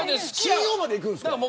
信用までいくんですか。